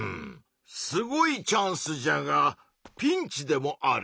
すごいチャンスじゃがピンチでもあるのう。